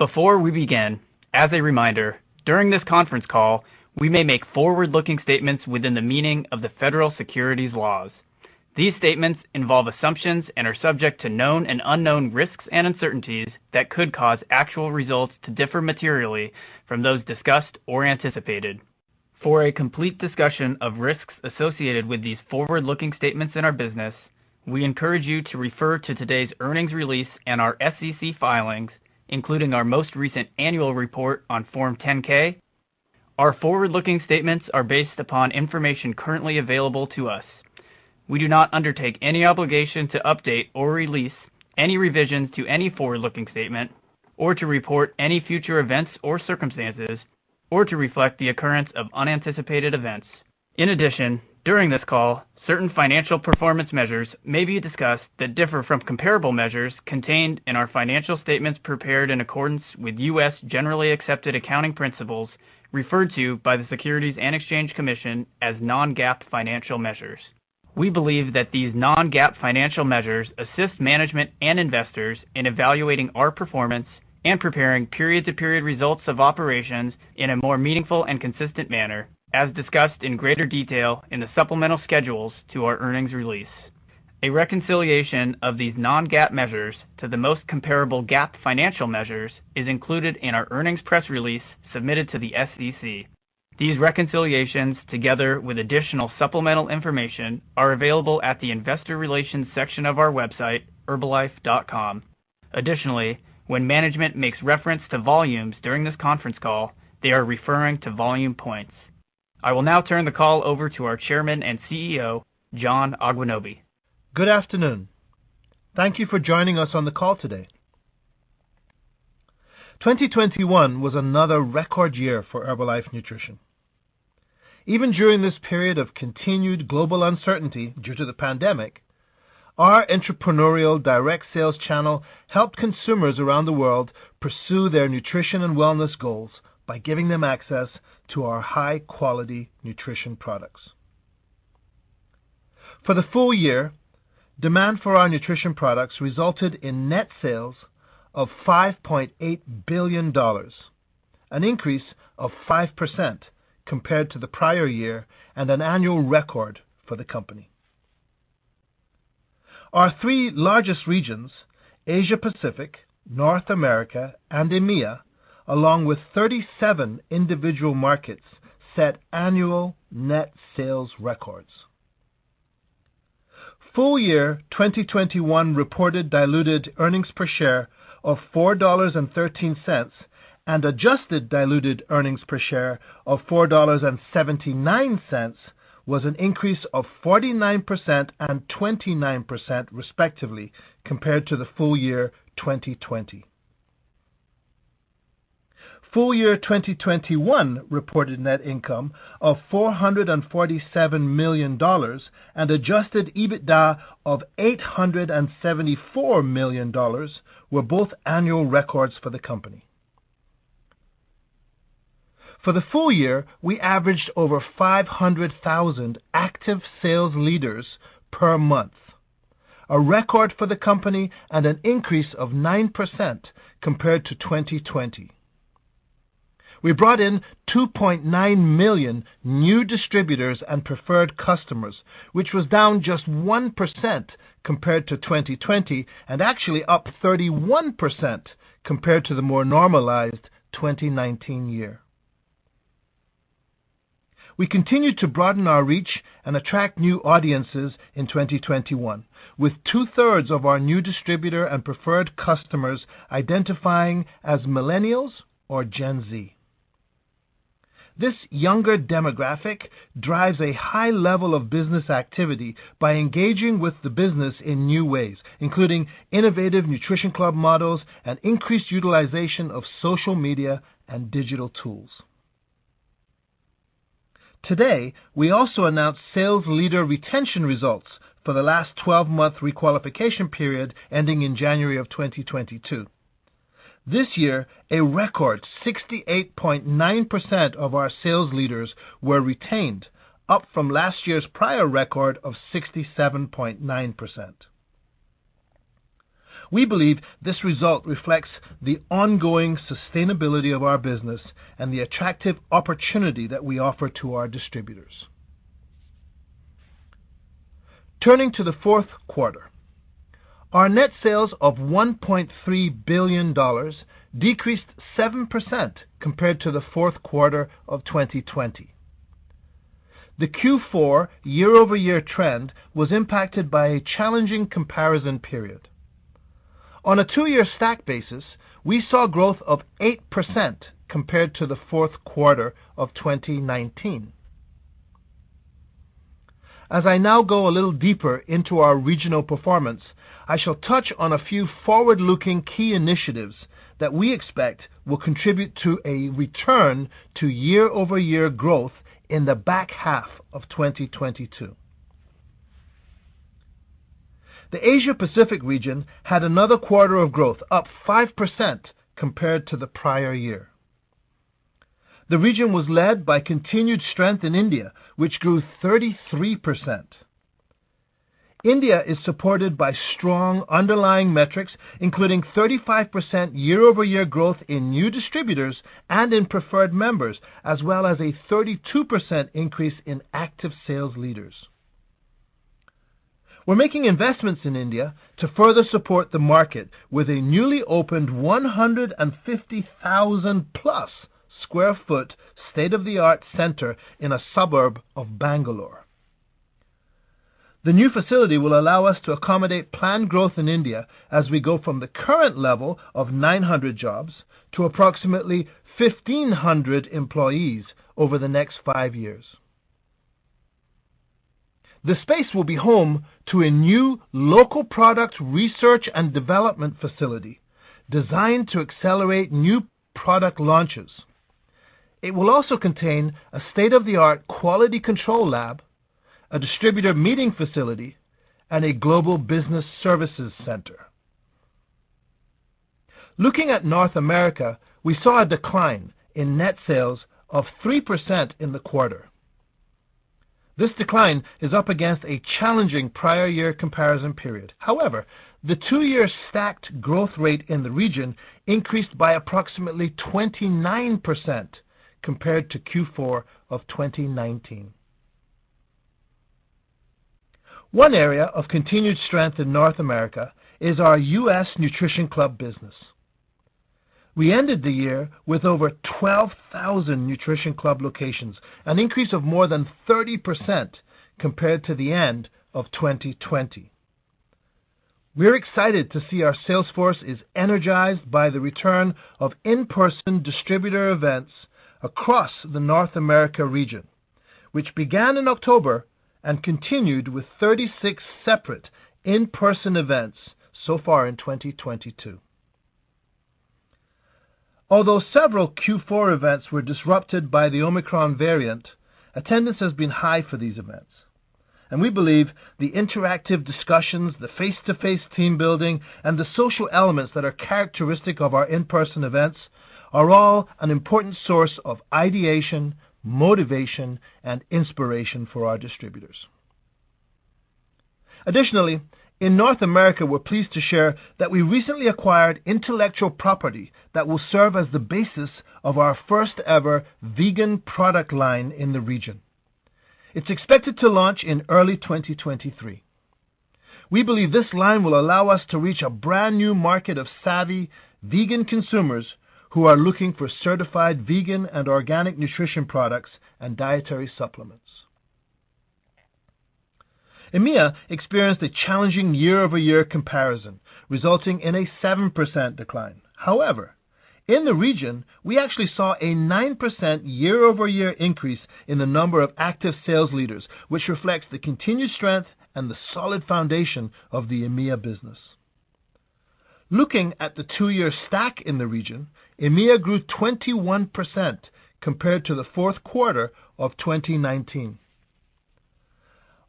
Before we begin, as a reminder, during this conference call, we may make forward-looking statements within the meaning of the federal securities laws. These statements involve assumptions and are subject to known and unknown risks and uncertainties that could cause actual results to differ materially from those discussed or anticipated. For a complete discussion of risks associated with these forward-looking statements in our business, we encourage you to refer to today's earnings release and our SEC filings, including our most recent annual report on Form 10-K. Our forward-looking statements are based upon information currently available to us. We do not undertake any obligation to update or release any revisions to any forward-looking statement or to report any future events or circumstances or to reflect the occurrence of unanticipated events. In addition, during this call, certain financial performance measures may be discussed that differ from comparable measures contained in our financial statements prepared in accordance with U.S. generally accepted accounting principles referred to by the Securities and Exchange Commission as non-GAAP financial measures. We believe that these non-GAAP financial measures assist management and investors in evaluating our performance and preparing period-to-period results of operations in a more meaningful and consistent manner, as discussed in greater detail in the supplemental schedules to our earnings release. A reconciliation of these non-GAAP measures to the most comparable GAAP financial measures is included in our earnings press release submitted to the SEC. These reconciliations, together with additional supplemental information, are available at the Investor Relations section of our website, herbalife.com. Additionally, when management makes reference to volumes during this conference call, they are referring to volume points. I will now turn the call over to our Chairman and CEO, John Agwunobi. Good afternoon. Thank you for joining us on the call today. 2021 was another record year for Herbalife Nutrition. Even during this period of continued global uncertainty due to the pandemic, our entrepreneurial direct sales channel helped consumers around the world pursue their nutrition and wellness goals by giving them access to our high-quality nutrition products. For the full-year, demand for our nutrition products resulted in net sales of $5.8 billion, an increase of 5% compared to the prior year and an annual record for the company. Our three largest regions, Asia-Pacific, North America, and EMEA, along with 37 individual markets, set annual net sales records. Full-year 2021 reported diluted earnings per share of $4.13, and adjusted diluted earnings per share of $4.79 was an increase of 49% and 29%, respectively, compared to the full-year 2020. Full-year 2021 reported net income of $447 million and adjusted EBITDA of $874 million were both annual records for the company. For the full-year, we averaged over 500,000 active sales leaders per month, a record for the company and an increase of 9% compared to 2020. We brought in 2.9 million new distributors and preferred customers, which was down just 1% compared to 2020 and actually up 31% compared to the more normalized 2019 year. We continued to broaden our reach and attract new audiences in 2021, with 2/3 of our new distributor and preferred customers identifying as Millennials or Gen Z. This younger demographic drives a high level of business activity by engaging with the business in new ways, including innovative Nutrition Club models and increased utilization of social media and digital tools. Today, we also announced sales leader retention results for the last 12-month requalification period ending in January 2022. This year, a record 68.9% of our sales leaders were retained, up from last year's prior record of 67.9%. We believe this result reflects the ongoing sustainability of our business and the attractive opportunity that we offer to our distributors. Turning to the fourth quarter, our net sales of $1.3 billion decreased 7% compared to the fourth quarter of 2020. The Q4 year-over-year trend was impacted by a challenging comparison period. On a two-year stack basis, we saw growth of 8% compared to the fourth quarter of 2019. As I now go a little deeper into our regional performance, I shall touch on a few forward-looking key initiatives that we expect will contribute to a return to year-over-year growth in the back half of 2022. The Asia-Pacific region had another quarter of growth, up 5% compared to the prior year. The region was led by continued strength in India, which grew 33%. India is supported by strong underlying metrics, including 35% year-over-year growth in new distributors and in preferred members, as well as a 32% increase in active sales leaders. We're making investments in India to further support the market with a newly opened 150,000+ sq ft state-of-the-art center in a suburb of Bangalore. The new facility will allow us to accommodate planned growth in India as we go from the current level of 900 jobs to approximately 1,500 employees over the next five years. The space will be home to a new local product research and development facility designed to accelerate new product launches. It will also contain a state-of-the-art quality control lab, a distributor meeting facility, and a global business services center. Looking at North America, we saw a decline in net sales of 3% in the quarter. This decline is up against a challenging prior year comparison period. However, the two-year stacked growth rate in the region increased by approximately 29% compared to Q4 of 2019. One area of continued strength in North America is our U.S. Nutrition Club business. We ended the year with over 12,000 Nutrition Club locations, an increase of more than 30% compared to the end of 2020. We're excited to see our sales force is energized by the return of in-person distributor events across the North America region, which began in October and continued with 36 separate in-person events so far in 2022. Although several Q4 events were disrupted by the Omicron variant, attendance has been high for these events. We believe the interactive discussions, the face-to-face team building, and the social elements that are characteristic of our in-person events are all an important source of ideation, motivation, and inspiration for our distributors. Additionally, in North America, we're pleased to share that we recently acquired intellectual property that will serve as the basis of our first ever vegan product line in the region. It's expected to launch in early 2023. We believe this line will allow us to reach a brand-new market of savvy vegan consumers who are looking for certified vegan and organic nutrition products and dietary supplements. EMEA experienced a challenging year-over-year comparison, resulting in a 7% decline. However, in the region, we actually saw a 9% year-over-year increase in the number of active sales leaders, which reflects the continued strength and the solid foundation of the EMEA business. Looking at the two-year stack in the region, EMEA grew 21% compared to the fourth quarter of 2019.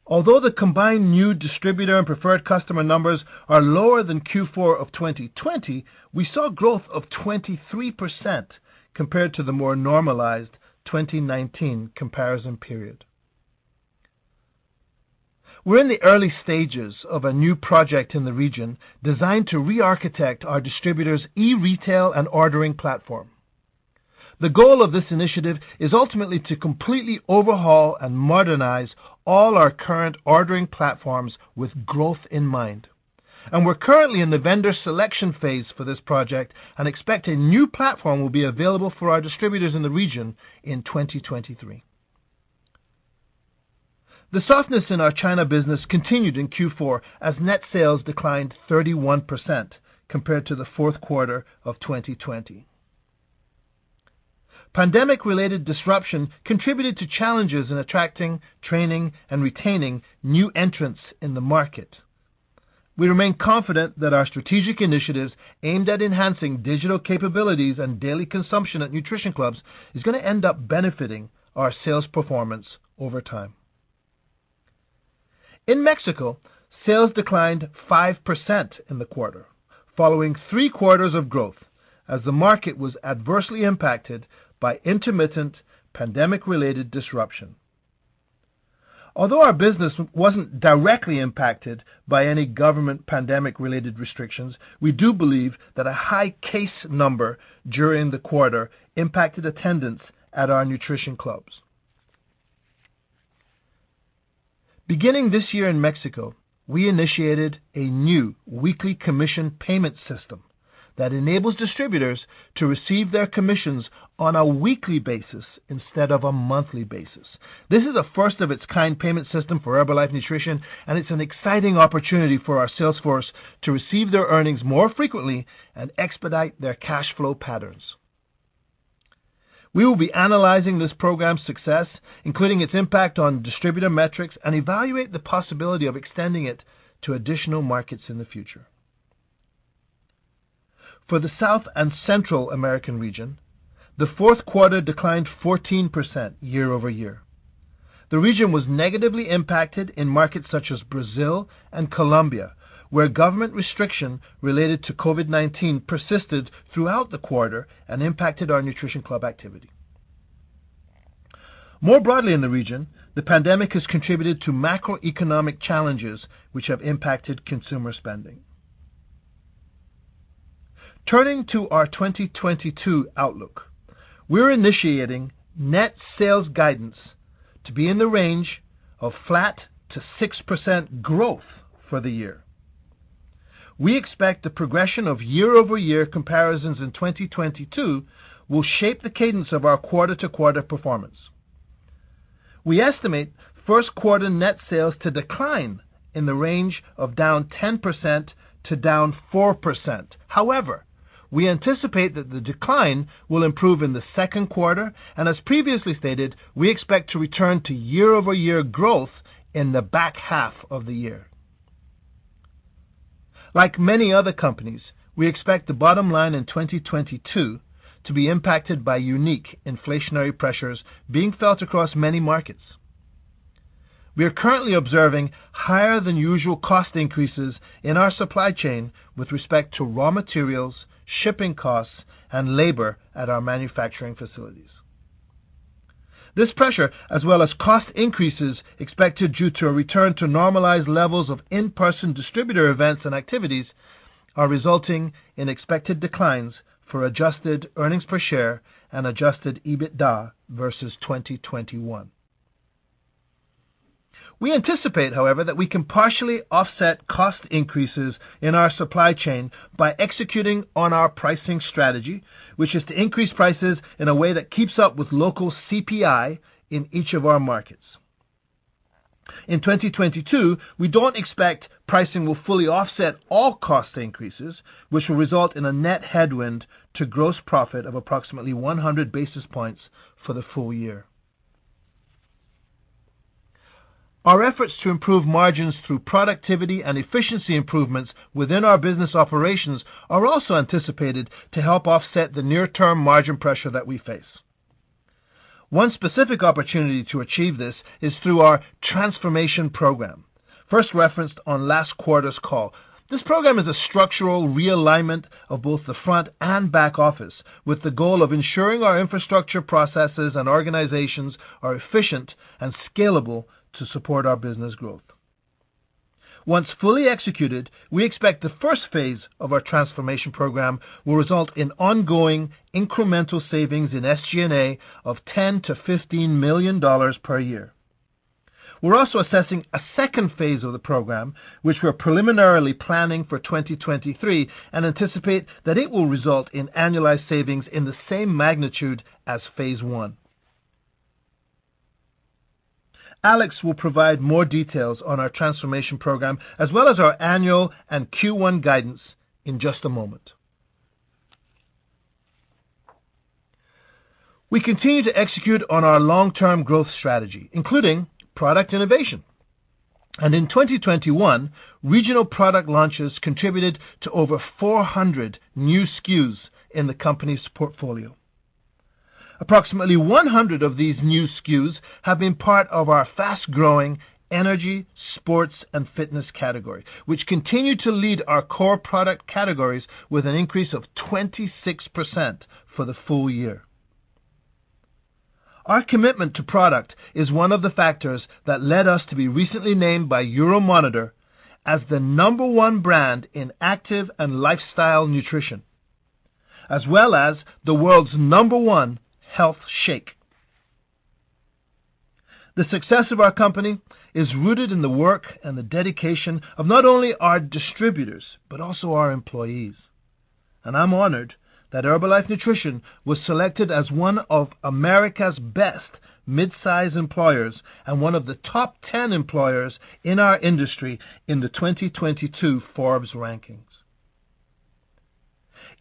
Although the combined new distributor and preferred customer numbers are lower than Q4 of 2020, we saw growth of 23% compared to the more normalized 2019 comparison period. We're in the early stages of a new project in the region designed to rearchitect our distributors' e-retail and ordering platform. The goal of this initiative is ultimately to completely overhaul and modernize all our current ordering platforms with growth in mind. We're currently in the vendor selection phase for this project and expect a new platform will be available for our distributors in the region in 2023. The softness in our China business continued in Q4 as net sales declined 31% compared to the fourth quarter of 2020. Pandemic-related disruption contributed to challenges in attracting, training, and retaining new entrants in the market. We remain confident that our strategic initiatives aimed at enhancing digital capabilities and daily consumption at Nutrition Clubs is gonna end up benefiting our sales performance over time. In Mexico, sales declined 5% in the quarter, following three quarters of growth as the market was adversely impacted by intermittent pandemic-related disruption. Although our business wasn't directly impacted by any government pandemic-related restrictions, we do believe that a high case number during the quarter impacted attendance at our Nutrition Clubs. Beginning this year in Mexico, we initiated a new weekly commission payment system that enables distributors to receive their commissions on a weekly basis instead of a monthly basis. This is a first of its kind payment system for Herbalife Nutrition, and it's an exciting opportunity for our sales force to receive their earnings more frequently and expedite their cash flow patterns. We will be analyzing this program's success, including its impact on distributor metrics, and evaluate the possibility of extending it to additional markets in the future. For the South and Central American region, the fourth quarter declined 14% year-over-year. The region was negatively impacted in markets such as Brazil and Colombia, where government restriction related to COVID-19 persisted throughout the quarter and impacted our Nutrition Club activity. More broadly in the region, the pandemic has contributed to macroeconomic challenges which have impacted consumer spending. Turning to our 2022 outlook, we're initiating net sales guidance to be in the range of flat to 6% growth for the year. We expect the progression of year-over-year comparisons in 2022 will shape the cadence of our quarter-to-quarter performance. We estimate first quarter net sales to decline in the range of down 10% to down 4%. However, we anticipate that the decline will improve in the second quarter, and as previously stated, we expect to return to year-over-year growth in the back half of the year. Like many other companies, we expect the bottom line in 2022 to be impacted by unique inflationary pressures being felt across many markets. We are currently observing higher than usual cost increases in our supply chain with respect to raw materials, shipping costs, and labor at our manufacturing facilities. This pressure, as well as cost increases expected due to a return to normalized levels of in-person distributor events and activities, are resulting in expected declines for adjusted earnings per share and adjusted EBITDA versus 2021. We anticipate, however, that we can partially offset cost increases in our supply chain by executing on our pricing strategy, which is to increase prices in a way that keeps up with local CPI in each of our markets. In 2022, we don't expect pricing will fully offset all cost increases, which will result in a net headwind to gross profit of approximately 100 basis points for the full-year. Our efforts to improve margins through productivity and efficiency improvements within our business operations are also anticipated to help offset the near-term margin pressure that we face. One specific opportunity to achieve this is through our transformation program, first referenced on last quarter's call. This program is a structural realignment of both the front and back office with the goal of ensuring our infrastructure processes and organizations are efficient and scalable to support our business growth. Once fully executed, we expect the first phase of our transformation program will result in ongoing incremental savings in SG&A of $10 million-$15 million per year. We're also assessing a second phase of the program, which we're preliminarily planning for 2023 and anticipate that it will result in annualized savings in the same magnitude as phase one. Alex will provide more details on our transformation program as well as our annual and Q1 guidance in just a moment. We continue to execute on our long-term growth strategy, including product innovation. In 2021, regional product launches contributed to over 400 new SKUs in the company's portfolio. Approximately 100 of these new SKUs have been part of our fast-growing energy, sports, and fitness category, which continue to lead our core product categories with an increase of 26% for the full-year. Our commitment to product is one of the factors that led us to be recently named by Euromonitor as the number one brand in active and lifestyle nutrition, as well as the world's number one health shake. The success of our company is rooted in the work and the dedication of not only our distributors, but also our employees. I'm honored that Herbalife Nutrition was selected as one of America's best midsize employers and one of the top 10 employers in our industry in the 2022 Forbes rankings.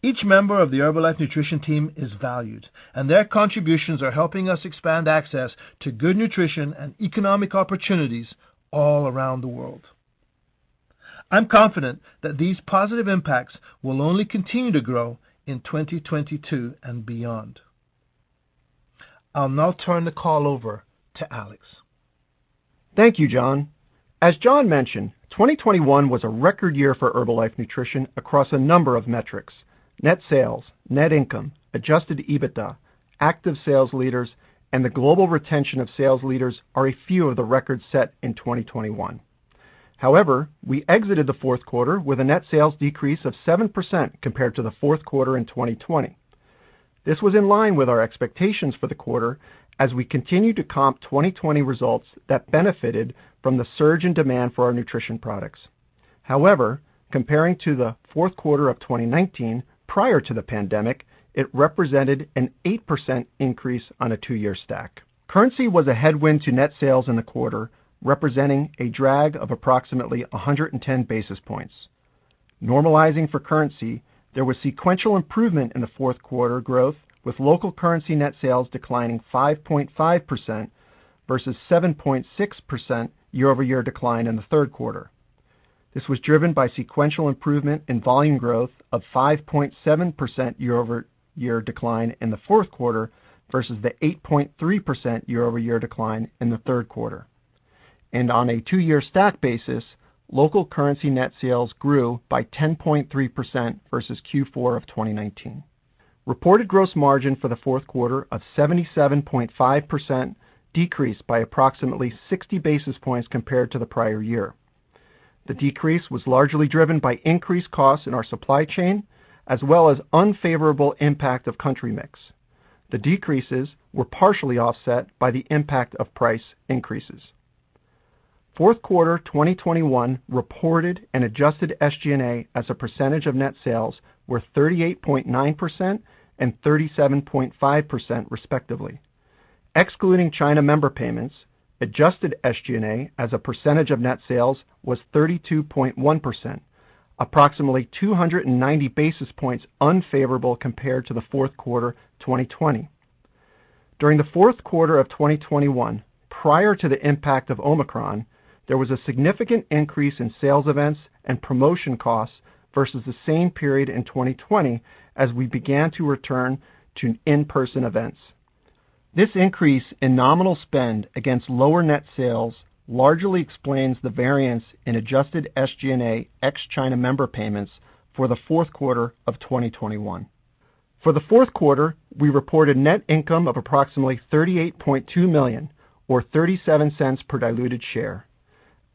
Each member of the Herbalife Nutrition team is valued, and their contributions are helping us expand access to good nutrition and economic opportunities all around the world. I'm confident that these positive impacts will only continue to grow in 2022 and beyond. I'll now turn the call over to Alex. Thank you, John. As John mentioned, 2021 was a record year for Herbalife Nutrition across a number of metrics. Net sales, net income, adjusted EBITDA, active sales leaders, and the global retention of sales leaders are a few of the records set in 2021. However, we exited the fourth quarter with a net sales decrease of 7% compared to the fourth quarter in 2020. This was in line with our expectations for the quarter as we continue to comp 2020 results that benefited from the surge in demand for our nutrition products. However, comparing to the fourth quarter of 2019, prior to the pandemic, it represented an 8% increase on a two-year stack. Currency was a headwind to net sales in the quarter, representing a drag of approximately 110 basis points. Normalizing for currency, there was sequential improvement in the fourth quarter growth, with local currency net sales declining 5.5% versus 7.6% year-over-year decline in the third quarter. This was driven by sequential improvement in volume growth of 5.7% year-over-year decline in the fourth quarter versus the 8.3% year-over-year decline in the third quarter. On a two-year stack basis, local currency net sales grew by 10.3% versus Q4 of 2019. Reported gross margin for the fourth quarter of 77.5% decreased by approximately 60 basis points compared to the prior year. The decrease was largely driven by increased costs in our supply chain as well as unfavorable impact of country mix. The decreases were partially offset by the impact of price increases. Fourth quarter 2021 reported and adjusted SG&A as a percentage of net sales were 38.9% and 37.5% respectively. Excluding China member payments, adjusted SG&A as a percentage of net sales was 32.1%, approximately 290 basis points unfavorable compared to the fourth quarter 2020. During the fourth quarter of 2021, prior to the impact of Omicron, there was a significant increase in sales events and promotion costs versus the same period in 2020 as we began to return to in-person events. This increase in nominal spend against lower net sales largely explains the variance in adjusted SG&A ex China member payments for the fourth quarter of 2021. For the fourth quarter, we reported net income of approximately $38.2 million or $0.37 per diluted share.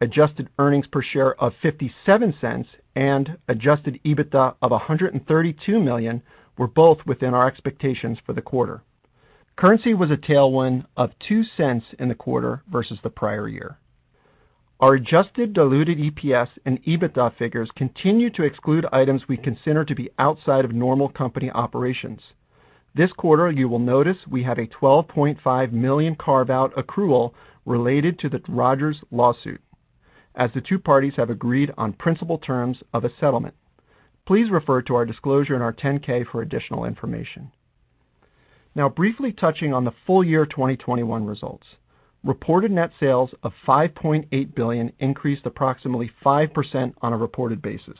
Adjusted earnings per share of $0.57 and adjusted EBITDA of $132 million were both within our expectations for the quarter. Currency was a tailwind of $0.02 in the quarter versus the prior year. Our adjusted diluted EPS and EBITDA figures continue to exclude items we consider to be outside of normal company operations. This quarter, you will notice we have a $12.5 million carve-out accrual related to the Rogers lawsuit as the two parties have agreed in principle terms of a settlement. Please refer to our disclosure in our 10-K for additional information. Now, briefly touching on the full-year 2021 results. Reported net sales of $5.8 billion increased approximately 5% on a reported basis.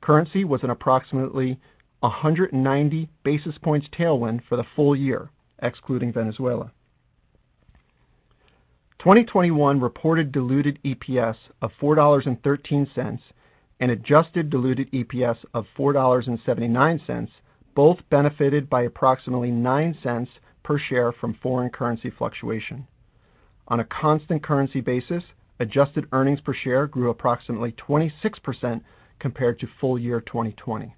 Currency was an approximately 190 basis points tailwind for the full-year, excluding Venezuela. 2021 reported diluted EPS of $4.13 and adjusted diluted EPS of $4.79 both benefited by approximately $0.09 per share from foreign currency fluctuation. On a constant currency basis, adjusted earnings per share grew approximately 26% compared to full-year 2020.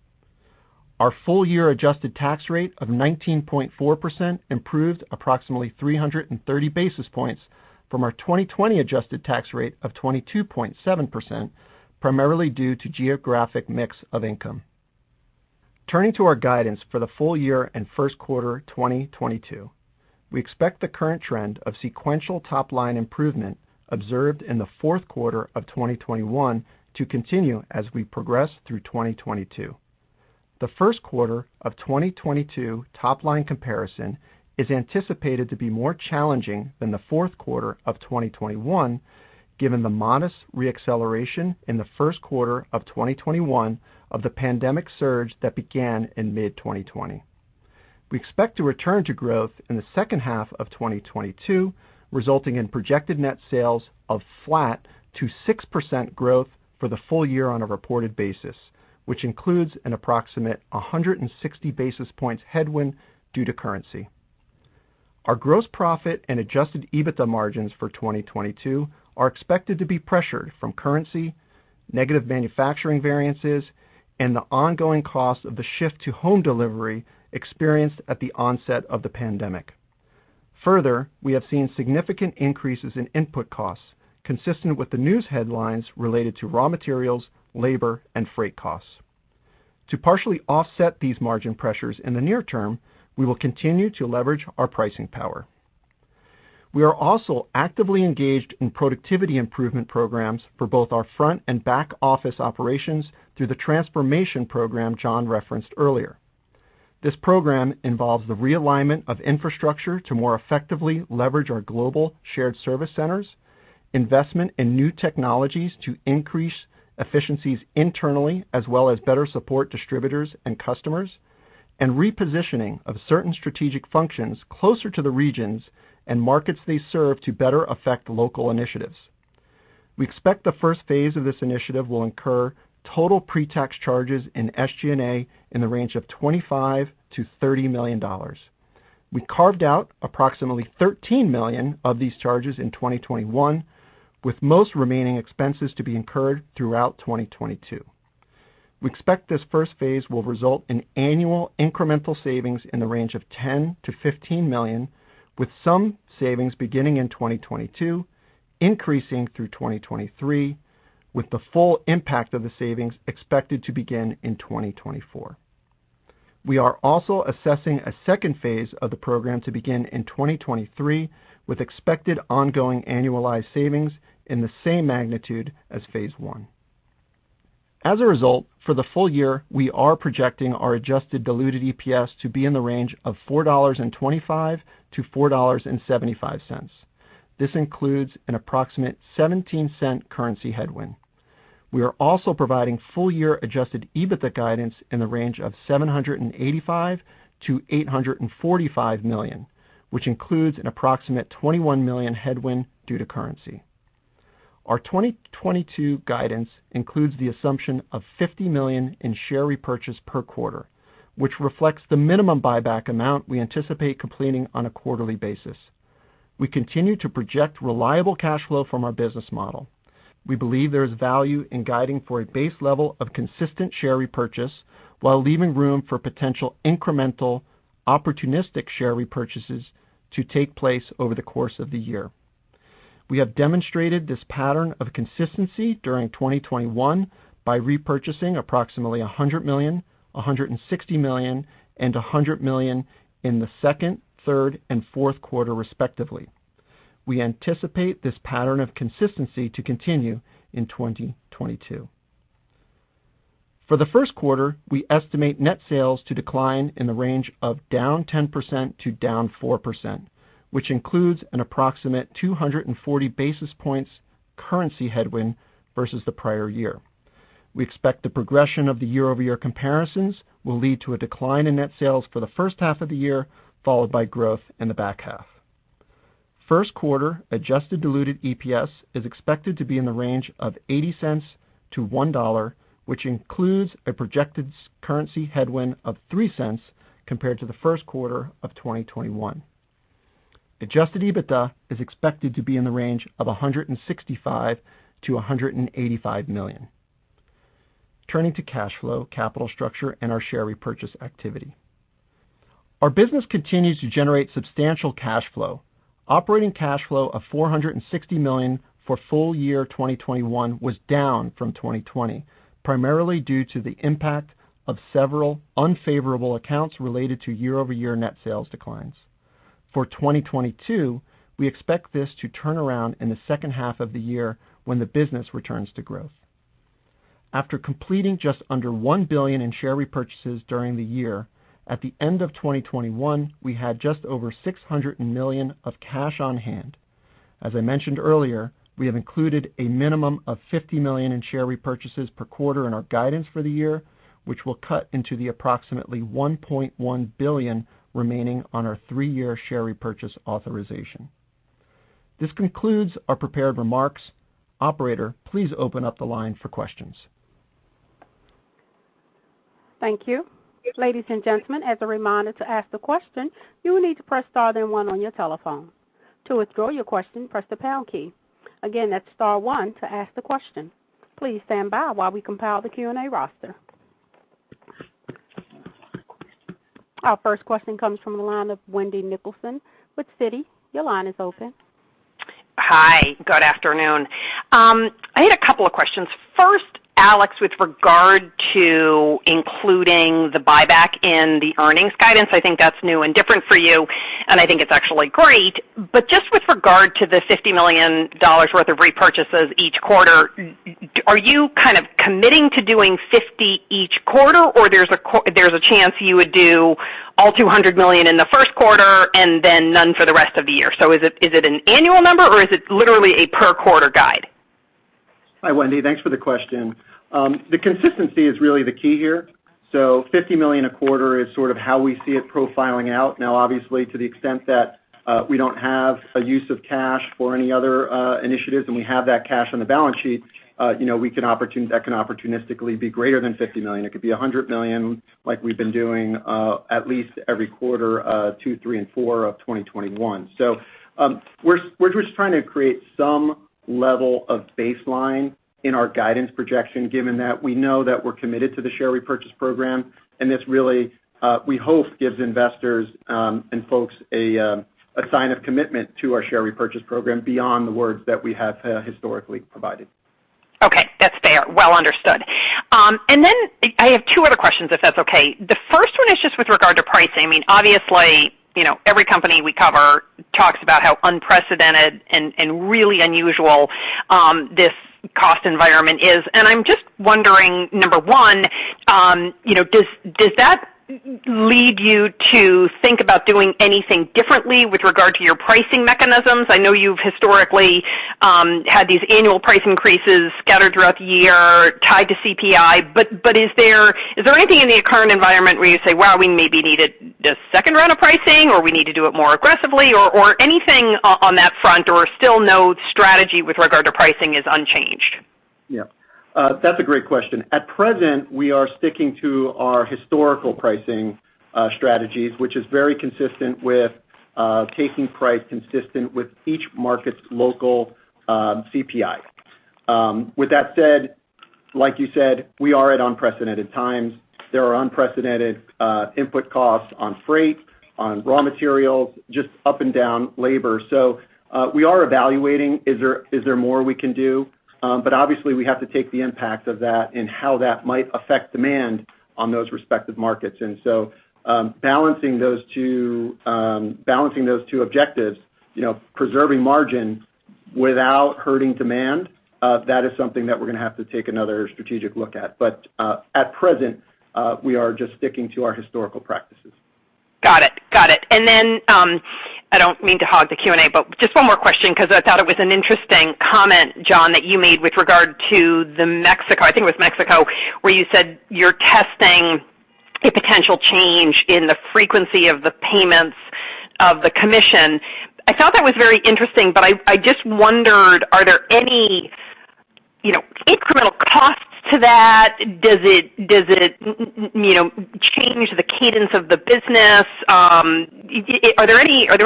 Our full-year adjusted tax rate of 19.4% improved approximately 330 basis points from our 2020 adjusted tax rate of 22.7%, primarily due to geographic mix of income. Turning to our guidance for the full-year and first quarter 2022. We expect the current trend of sequential top-line improvement observed in the fourth quarter of 2021 to continue as we progress through 2022. The first quarter of 2022 top-line comparison is anticipated to be more challenging than the fourth quarter of 2021, given the modest re-acceleration in the first quarter of 2021 of the pandemic surge that began in mid-2020. We expect to return to growth in the second half of 2022, resulting in projected net sales of flat to 6% growth for the full-year on a reported basis, which includes an approximate 160 basis points headwind due to currency. Our gross profit and adjusted EBITDA margins for 2022 are expected to be pressured from currency, negative manufacturing variances, and the ongoing cost of the shift to home delivery experienced at the onset of the pandemic. Further, we have seen significant increases in input costs consistent with the news headlines related to raw materials, labor, and freight costs. To partially offset these margin pressures in the near term, we will continue to leverage our pricing power. We are also actively engaged in productivity improvement programs for both our front and back-office operations through the transformation program John referenced earlier. This program involves the realignment of infrastructure to more effectively leverage our global shared service centers, investment in new technologies to increase efficiencies internally as well as better support distributors and customers, and repositioning of certain strategic functions closer to the regions and markets they serve to better affect local initiatives. We expect the first phase of this initiative will incur total pre-tax charges in SG&A in the range of $25 million-$30 million. We carved out approximately $13 million of these charges in 2021, with most remaining expenses to be incurred throughout 2022. We expect this first phase will result in annual incremental savings in the range of $10 million-$15 million, with some savings beginning in 2022, increasing through 2023, with the full impact of the savings expected to begin in 2024. We are also assessing a second phase of the program to begin in 2023, with expected ongoing annualized savings in the same magnitude as phase one. As a result, for the full-year, we are projecting our adjusted diluted EPS to be in the range of $4.25-$4.75. This includes an approximate $0.17 currency headwind. We are also providing full-year adjusted EBITDA guidance in the range of $785 million-$845 million, which includes an approximate $21 million headwind due to currency. Our 2022 guidance includes the assumption of $50 million in share repurchase per quarter, which reflects the minimum buyback amount we anticipate completing on a quarterly basis. We continue to project reliable cash flow from our business model. We believe there is value in guiding for a base level of consistent share repurchase while leaving room for potential incremental opportunistic share repurchases to take place over the course of the year. We have demonstrated this pattern of consistency during 2021 by repurchasing approximately $100 million, $160 million, and $100 million in the second, third, and fourth quarter, respectively. We anticipate this pattern of consistency to continue in 2022. For the first quarter, we estimate net sales to decline in the range of down 10% to down 4%, which includes an approximate 240 basis points currency headwind versus the prior year. We expect the progression of the year-over-year comparisons will lead to a decline in net sales for the first half of the year, followed by growth in the back half. First quarter adjusted diluted EPS is expected to be in the range of $0.80-$1.00, which includes a projected FX currency headwind of $0.03 compared to the first quarter of 2021. Adjusted EBITDA is expected to be in the range of $165 million-$185 million. Turning to cash flow, capital structure, and our share repurchase activity. Our business continues to generate substantial cash flow. Operating cash flow of $460 million for full-year 2021 was down from 2020, primarily due to the impact of several unfavorable accounts related to year-over-year net sales declines. For 2022, we expect this to turn around in the second half of the year when the business returns to growth. After completing just under $1 billion in share repurchases during the year, at the end of 2021, we had just over $600 million of cash on hand. As I mentioned earlier, we have included a minimum of $50 million in share repurchases per quarter in our guidance for the year, which will cut into the approximately $1.1 billion remaining on our three-year share repurchase authorization. This concludes our prepared remarks. Operator, please open up the line for questions. Thank you. Ladies and gentlemen, as a reminder, to ask the question, you will need to press star then one on your telephone. To withdraw your question, press the pound key. Again, that's star one to ask the question. Please stand by while we compile the Q&A roster. Our first question comes from the line of Wendy Nicholson with Citi. Your line is open. Hi. Good afternoon. I had a couple of questions. First, Alex, with regard to including the buyback in the earnings guidance, I think that's new and different for you, and I think it's actually great. Just with regard to the $50 million worth of repurchases each quarter, are you kind of committing to doing $50 million each quarter, or there's a chance you would do all $200 million in the first quarter and then none for the rest of the year? Is it an annual number, or is it literally a per quarter guide? Hi, Wendy. Thanks for the question. The consistency is really the key here. $50 million a quarter is sort of how we see it profiling out. Now, obviously, to the extent that we don't have a use of cash for any other initiatives, and we have that cash on the balance sheet, you know, that can opportunistically be greater than $50 million. It could be $100 million like we've been doing, at least every quarter, two, three, and four of 2021. We're just trying to create some level of baseline in our guidance projection, given that we know that we're committed to the share repurchase program, and this really, we hope, gives investors and folks a sign of commitment to our share repurchase program beyond the words that we have historically provided. Okay. That's fair. Well understood. And then I have two other questions if that's okay. The first one is just with regard to pricing. I mean, obviously, you know, every company we cover talks about how unprecedented and really unusual this cost environment is. And I'm just wondering, number one, you know, does that lead you to think about doing anything differently with regard to your pricing mechanisms? I know you've historically had these annual price increases scattered throughout the year tied to CPI. But is there anything in the current environment where you say, "Wow, we maybe needed a second round of pricing, or we need to do it more aggressively," or anything on that front, or still no strategy with regard to pricing is unchanged? Yeah. That's a great question. At present, we are sticking to our historical pricing strategies, which is very consistent with taking price consistent with each market's local CPI. With that said, like you said, we are at unprecedented times. There are unprecedented input costs on freight, on raw materials, just up and down labor. We are evaluating, is there more we can do? Obviously we have to take the impact of that and how that might affect demand on those respective markets. Balancing those two objectives, you know, preserving margin. Without hurting demand, that is something that we're gonna have to take another strategic look at. At present, we are just sticking to our historical practices. Got it. Then I don't mean to hog the Q&A, but just one more question because I thought it was an interesting comment, John, that you made with regard to Mexico. I think it was Mexico, where you said you're testing a potential change in the frequency of the payments of the commission. I thought that was very interesting, but I just wondered, are there any, you know, incremental costs to that? Does it, you know, change the cadence of the business? Are there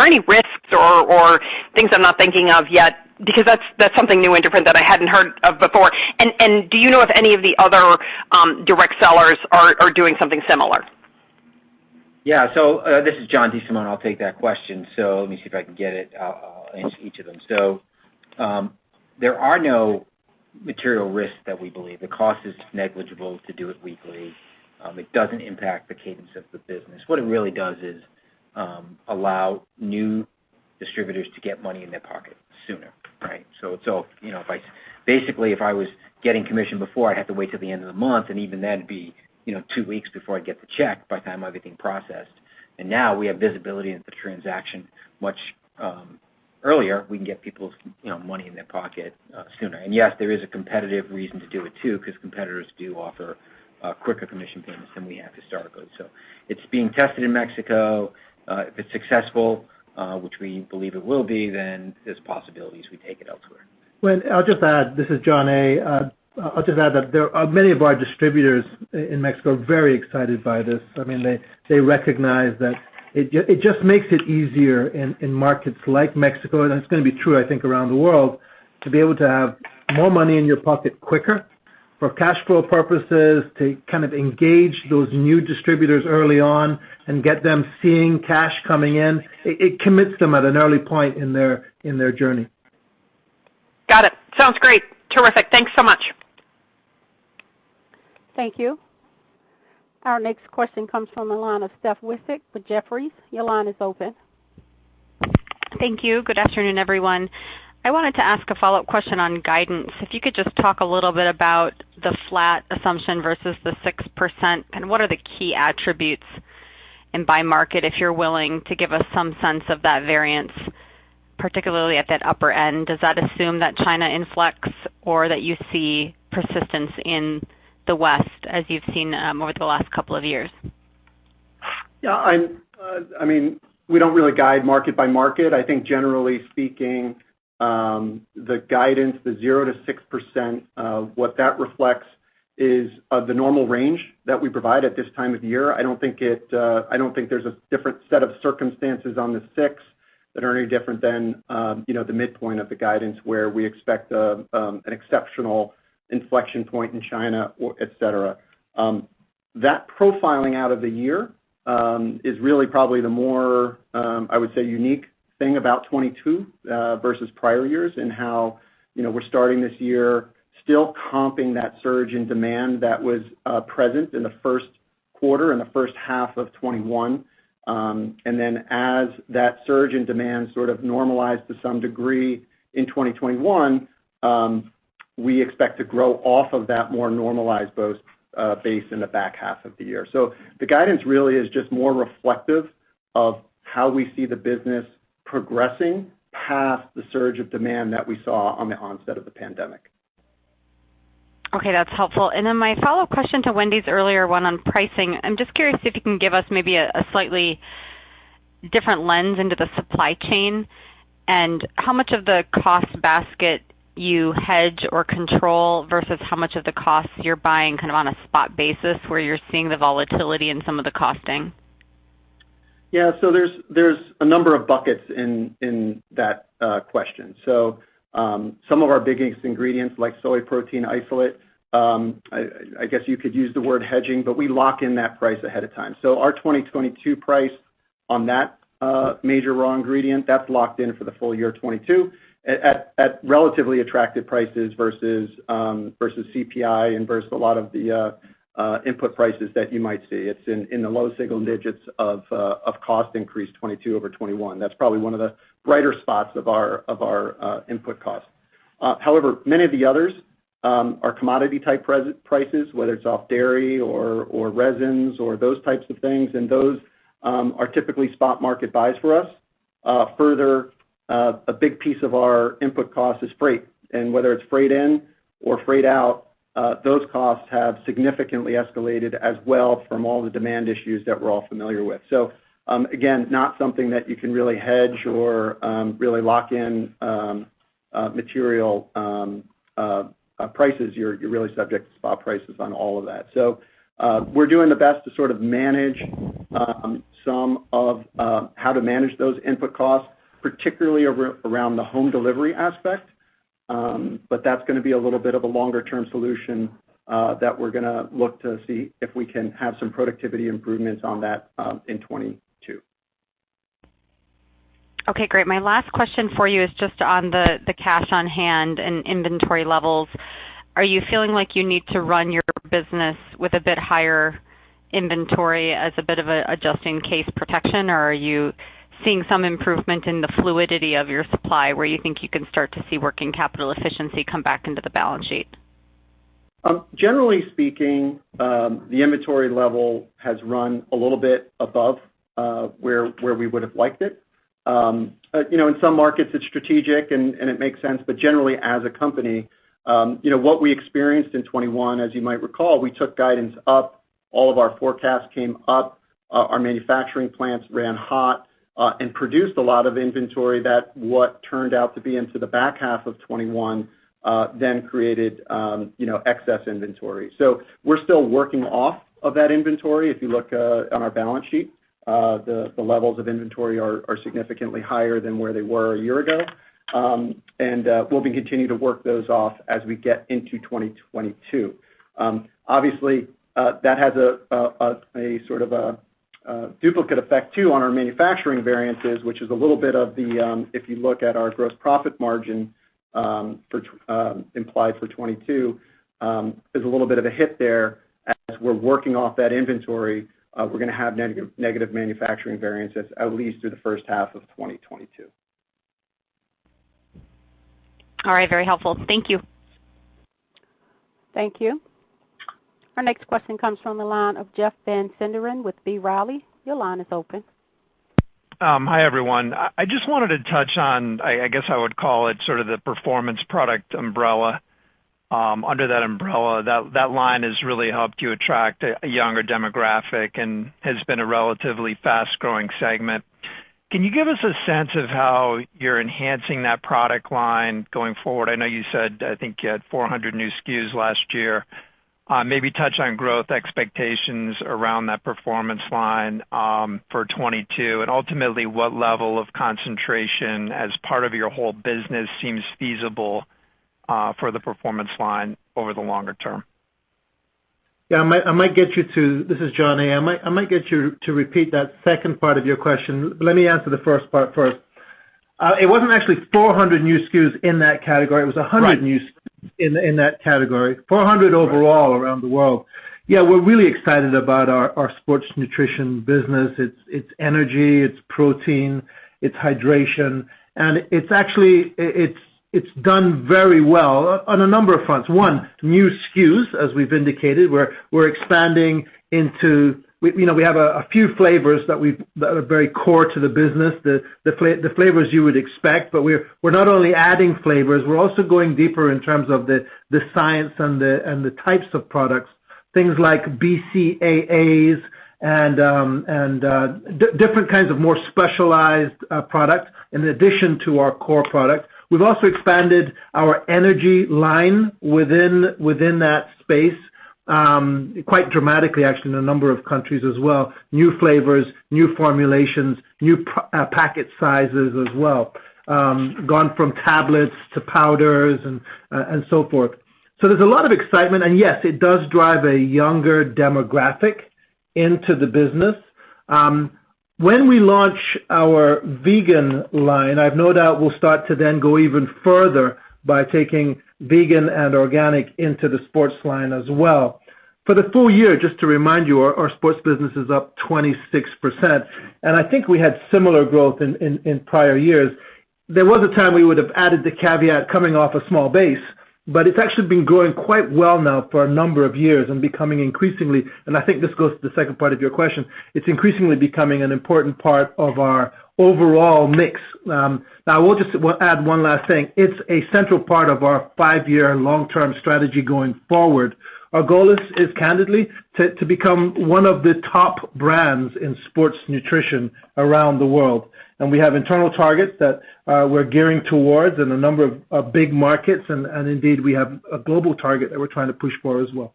any risks or things I'm not thinking of yet? Because that's something new and different that I hadn't heard of before. Do you know if any of the other direct sellers are doing something similar? This is John DeSimone. I'll take that question. Let me see if I can get it. I'll answer each of them. There are no material risks that we believe. The cost is negligible to do it weekly. It doesn't impact the cadence of the business. What it really does is allow new distributors to get money in their pocket sooner, right? You know, basically, if I was getting commission before, I'd have to wait till the end of the month, and even then, it'd be, you know, two weeks before I'd get the check by the time everything processed. Now we have visibility into the transaction much earlier. We can get people's, you know, money in their pocket sooner. Yes, there is a competitive reason to do it too because competitors do offer quicker commission payments than we have historically. It's being tested in Mexico. If it's successful, which we believe it will be, then there's possibilities we take it elsewhere. Well, I'll just add, this is John A.. I'll just add that there are many of our distributors in Mexico very excited by this. I mean, they recognize that it just makes it easier in markets like Mexico, and it's gonna be true, I think, around the world, to be able to have more money in your pocket quicker for cash flow purposes, to kind of engage those new distributors early on and get them seeing cash coming in. It commits them at an early point in their journey. Got it. Sounds great. Terrific. Thanks so much. Thank you. Our next question comes from the line of Steph Wissink with Jefferies. Your line is open. Thank you. Good afternoon, everyone. I wanted to ask a follow-up question on guidance. If you could just talk a little bit about the flat assumption versus the 6%, and what are the key attributes, and by market, if you're willing to give us some sense of that variance, particularly at that upper end. Does that assume that China inflects or that you see persistence in the West as you've seen over the last couple of years? Yeah, I mean, we don't really guide market by market. I think generally speaking, the guidance, the 0%-6%, what that reflects is the normal range that we provide at this time of year. I don't think there's a different set of circumstances on the six that are any different than, you know, the midpoint of the guidance where we expect an exceptional inflection point in China or et cetera. That playing out of the year is really probably the more, I would say, unique thing about 2022 versus prior years and how, you know, we're starting this year still comping that surge in demand that was present in the first quarter and the first half of 2021. As that surge in demand sort of normalized to some degree in 2021, we expect to grow off of that more normalized base in the back half of the year. The guidance really is just more reflective of how we see the business progressing past the surge of demand that we saw on the onset of the pandemic. Okay, that's helpful. My follow-up question to Wendy's earlier one on pricing, I'm just curious if you can give us maybe a slightly different lens into the supply chain and how much of the cost basket you hedge or control versus how much of the costs you're buying kind of on a spot basis where you're seeing the volatility in some of the costing. Yeah. There's a number of buckets in that question. Some of our biggest ingredients like soy protein isolate, I guess you could use the word hedging, but we lock in that price ahead of time. Our 2022 price on that major raw ingredient, that's locked in for the full-year 2022 at relatively attractive prices versus CPI and versus a lot of the input prices that you might see. It's in the low single digits of cost increase 2022 over 2021. That's probably one of the brighter spots of our input costs. However, many of the others are commodity type prices, whether it's of dairy or resins or those types of things, and those are typically spot market buys for us. Further, a big piece of our input cost is freight, and whether it's freight in or freight out, those costs have significantly escalated as well from all the demand issues that we're all familiar with. Again, not something that you can really hedge or really lock in material prices. You're really subject to spot prices on all of that. We're doing the best to sort of manage some of how to manage those input costs, particularly around the home delivery aspect. That's gonna be a little bit of a longer term solution that we're gonna look to see if we can have some productivity improvements on that in 2022. Okay, great. My last question for you is just on the cash on hand and inventory levels. Are you feeling like you need to run your business with a bit higher inventory as a bit of a just-in-case protection? Or are you seeing some improvement in the fluidity of your supply where you think you can start to see working capital efficiency come back into the balance sheet? Generally speaking, the inventory level has run a little bit above where we would have liked it. You know, in some markets it's strategic and it makes sense. Generally, as a company, you know, what we experienced in 2021, as you might recall, we took guidance up, all of our forecasts came up, our manufacturing plants ran hot and produced a lot of inventory that turned out to be excess in the back half of 2021, creating excess inventory. So we're still working off of that inventory. If you look on our balance sheet, the levels of inventory are significantly higher than where they were a year ago. We'll be continuing to work those off as we get into 2022. Obviously, that has a sort of a duplicate effect too on our manufacturing variances, which is a little bit of the if you look at our gross profit margin, implied for 2022, there's a little bit of a hit there. As we're working off that inventory, we're gonna have negative manufacturing variances at least through the first half of 2022. All right. Very helpful. Thank you. Thank you. Our next question comes from the line of Jeff Van Sinderen with B. Riley. Your line is open. Hi, everyone. I just wanted to touch on, I guess I would call it sort of the performance product umbrella. Under that umbrella, that line has really helped you attract a younger demographic and has been a relatively fast-growing segment. Can you give us a sense of how you're enhancing that product line going forward? I know you said, I think you had 400 new SKUs last year. Maybe touch on growth expectations around that performance line, for 2022, and ultimately, what level of concentration as part of your whole business seems feasible, for the performance line over the longer term? This is John A.. I might get you to repeat that second part of your question. Let me answer the first part first. It wasn't actually 400 new SKUs in that category. Right. It was 100 new SKUs in that category. 400- Right. Overall around the world. Yeah, we're really excited about our sports nutrition business. It's energy, it's protein, it's hydration. It's actually. It's done very well on a number of fronts. One, new SKUs, as we've indicated. We're expanding into. We you know, we have a few flavors that are very core to the business, the flavors you would expect. But we're not only adding flavors, we're also going deeper in terms of the science and the types of products, things like BCAAs and different kinds of more specialized products in addition to our core products. We've also expanded our energy line within that space quite dramatically actually in a number of countries as well. New flavors, new formulations, new packet sizes as well. Gone from tablets to powders and so forth. There's a lot of excitement. Yes, it does drive a younger demographic into the business. When we launch our vegan line, I've no doubt we'll start to then go even further by taking vegan and organic into the sports line as well. For the full-year, just to remind you, our sports business is up 26%, and I think we had similar growth in prior years. There was a time we would have added the caveat coming off a small base, but it's actually been growing quite well now for a number of years and becoming increasingly, and I think this goes to the second part of your question, it's increasingly becoming an important part of our overall mix. Now I will just add one last thing. It's a central part of our five-year long-term strategy going forward. Our goal is candidly to become one of the top brands in sports nutrition around the world. We have internal targets that we're gearing towards in a number of big markets, and indeed, we have a global target that we're trying to push for as well.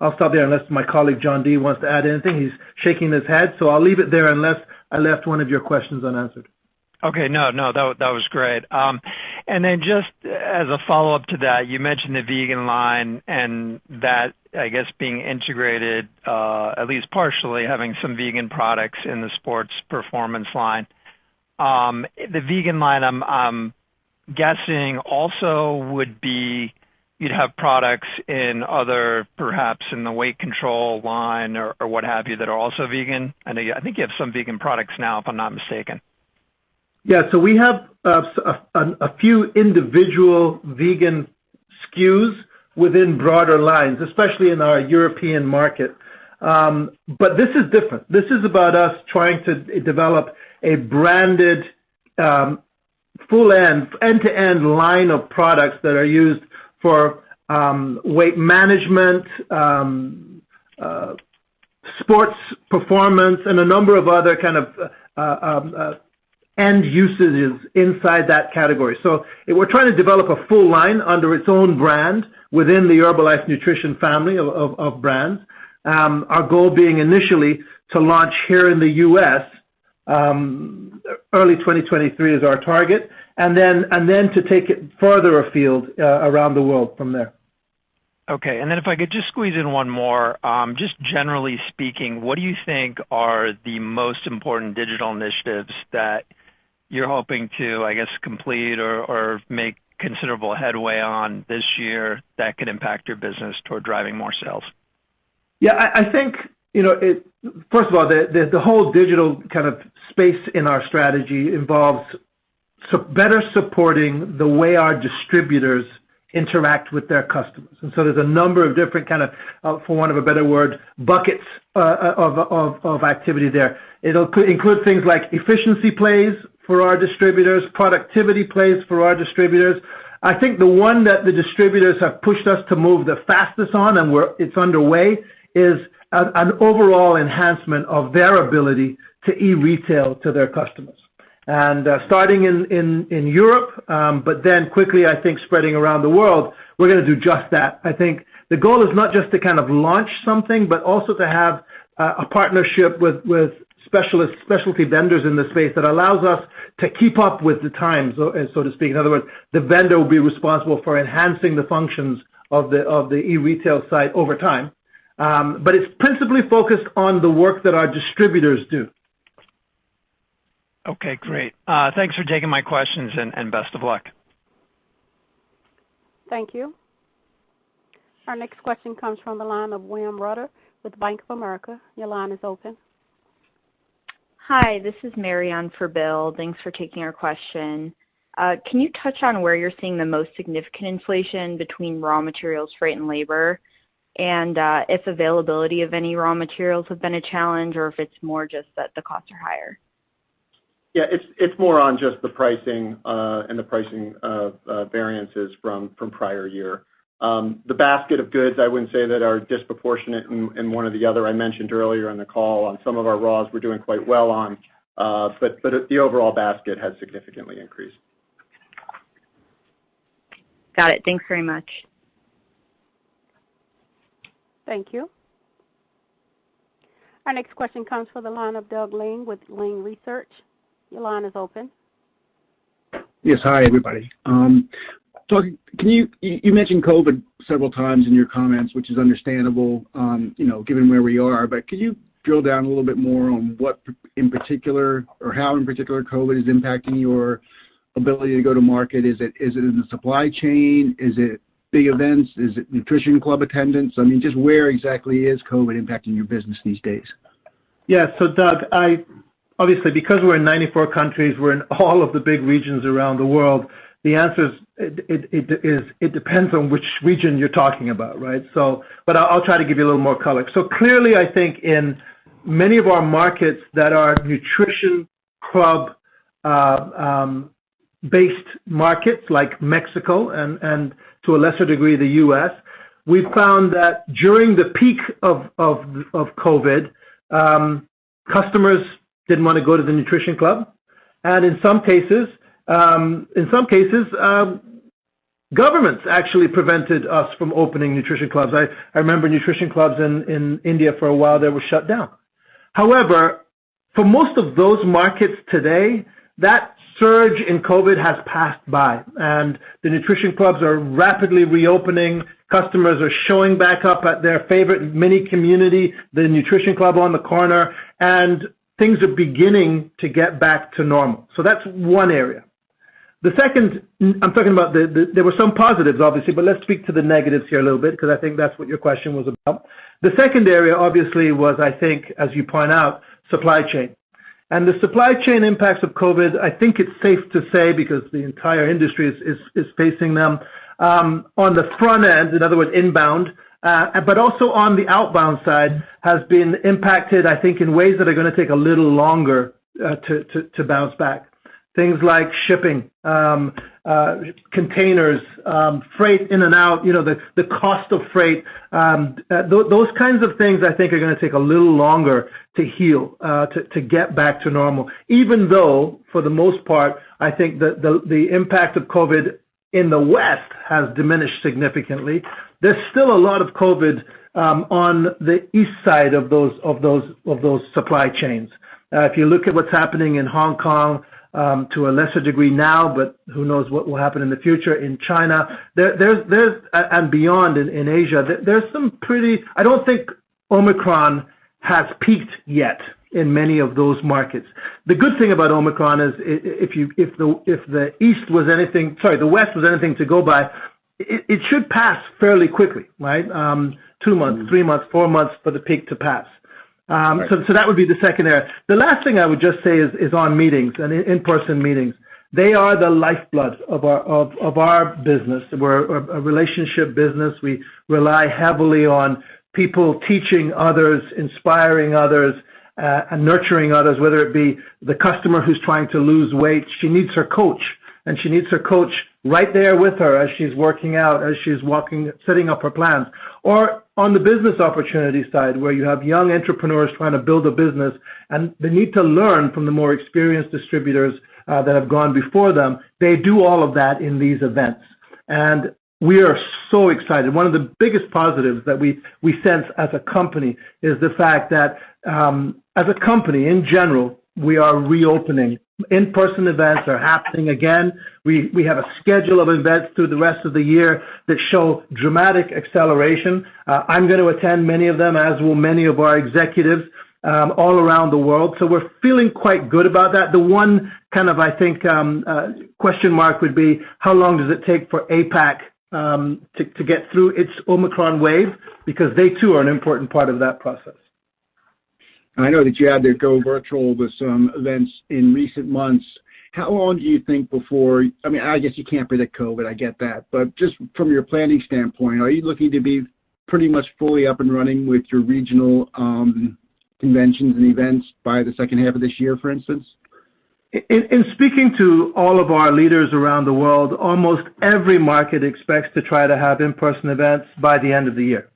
I'll stop there unless my colleague John D. wants to add anything. He's shaking his head, so I'll leave it there unless I left one of your questions unanswered. Okay. No, that was great. Just as a follow-up to that, you mentioned the vegan line and that, I guess, being integrated, at least partially having some vegan products in the sports performance line. The vegan line, I'm guessing also would be you'd have products in other, perhaps in the weight control line or what have you, that are also vegan. I think you have some vegan products now, if I'm not mistaken. Yeah. We have a few individual vegan SKUs within broader lines, especially in our European market. This is different. This is about us trying to develop a branded full end-to-end line of products that are used for weight management, sports performance, and a number of other kind of end usages inside that category. We're trying to develop a full line under its own brand within the Herbalife Nutrition family of brands. Our goal being initially to launch here in the U.S., early 2023 is our target, and then to take it further afield around the world from there. Okay. If I could just squeeze in one more. Just generally speaking, what do you think are the most important digital initiatives that you're hoping to, I guess, complete or make considerable headway on this year that could impact your business toward driving more sales? Yeah. I think, you know, first of all, the whole digital kind of space in our strategy involves better supporting the way our distributors interact with their customers. There's a number of different kinda, for want of a better word, buckets of activity there. It'll include things like efficiency plays for our distributors, productivity plays for our distributors. I think the one that the distributors have pushed us to move the fastest on and where it's underway is an overall enhancement of their ability to e-retail to their customers. Starting in Europe, but then quickly, I think, spreading around the world, we're gonna do just that. I think the goal is not just to kind of launch something, but also to have a partnership with specialty vendors in this space that allows us to keep up with the times, so to speak. In other words, the vendor will be responsible for enhancing the functions of the e-retail site over time. But it's principally focused on the work that our distributors do. Okay, great. Thanks for taking my questions, and best of luck. Thank you. Our next question comes from the line of William Reuter with Bank of America. Your line is open. Hi, this is Marianne for Bill. Thanks for taking our question. Can you touch on where you're seeing the most significant inflation between raw materials, freight, and labor? If availability of any raw materials have been a challenge or if it's more just that the costs are higher. Yeah, it's more on just the pricing and the pricing of variances from prior year. The basket of goods, I wouldn't say that are disproportionate in one or the other. I mentioned earlier on the call on some of our raws we're doing quite well on, but the overall basket has significantly increased. Got it. Thanks very much. Thank you. Our next question comes from the line of Doug Lane with Lane Research. Your line is open. Yes. Hi, everybody. You mentioned COVID several times in your comments, which is understandable, you know, given where we are. Can you drill down a little bit more on what in particular or how in particular COVID is impacting your ability to go to market? Is it in the supply chain? Is it big events? Is it Nutrition Club attendance? I mean, just where exactly is COVID impacting your business these days? Yeah. Doug, obviously, because we're in 94 countries, we're in all of the big regions around the world, the answer is, it depends on which region you're talking about, right? But I'll try to give you a little more color. Clearly, I think in many of our markets that are Nutrition Club based markets like Mexico and to a lesser degree, the U.S., we found that during the peak of COVID, customers didn't wanna go to the Nutrition Club. In some cases, governments actually prevented us from opening Nutrition Clubs. I remember Nutrition Clubs in India for a while, they were shut down. However, for most of those markets today, that surge in COVID has passed by, and the Nutrition Clubs are rapidly reopening. Customers are showing back up at their favorite mini community, the Nutrition Club on the corner, and things are beginning to get back to normal. That's one area. There were some positives, obviously, but let's speak to the negatives here a little bit because I think that's what your question was about. The second area, obviously, was, I think, as you point out, supply chain. The supply chain impacts of COVID, I think it's safe to say because the entire industry is facing them on the front end, in other words, inbound, but also on the outbound side, has been impacted, I think, in ways that are gonna take a little longer to bounce back. Things like shipping, containers, freight in and out, you know, the cost of freight, those kinds of things I think are gonna take a little longer to heal, to get back to normal. Even though, for the most part, I think the impact of COVID in the West has diminished significantly. There's still a lot of COVID on the east side of those supply chains. If you look at what's happening in Hong Kong to a lesser degree now, but who knows what will happen in the future in China and beyond in Asia. I don't think Omicron has peaked yet in many of those markets. The good thing about Omicron is if the East was anything. Sorry. The West was anything to go by, it should pass fairly quickly, right? two months, three months, four months for the peak to pass. That would be the second area. The last thing I would just say is on meetings and in-person meetings. They are the lifeblood of our business. We're a relationship business. We rely heavily on people teaching others, inspiring others, and nurturing others, whether it be the customer who's trying to lose weight. She needs her coach right there with her as she's working out, as she's walking, setting up her plans. Or on the business opportunity side, where you have young entrepreneurs trying to build a business, and they need to learn from the more experienced distributors that have gone before them. They do all of that in these events. We are so excited. One of the biggest positives that we sense as a company is the fact that, as a company in general, we are reopening. In-person events are happening again. We have a schedule of events through the rest of the year that show dramatic acceleration. I'm gonna attend many of them, as will many of our executives, all around the world. We're feeling quite good about that. The one kind of, I think, question mark would be: How long does it take for APAC to get through its Omicron wave? Because they, too, are an important part of that process. I know that you had to go virtual with some events in recent months. How long do you think before, I mean, I guess you can't predict COVID, I get that. Just from your planning standpoint, are you looking to be pretty much fully up and running with your regional conventions and events by the second half of this year, for instance? In speaking to all of our leaders around the world, almost every market expects to try to have in-person events by the end of the year.